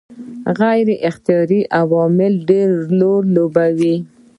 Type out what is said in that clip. غیر اختیاري عوامل ډېر رول لوبوي.